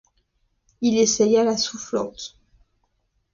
Il essaya la soufflante.